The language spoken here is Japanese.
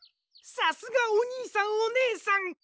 さすがおにいさんおねえさん！